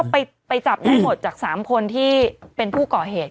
ไปจับได้หมดจาก๓คนที่เป็นผู้ก่อเหตุ